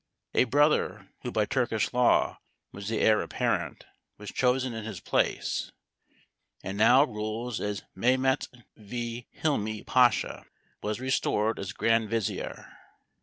A brother, who by Turkish law, was the heir apparent, was chosen in his place, and now rules as Mehmet V. Hilmi Pasha was restored as Grand Vizier.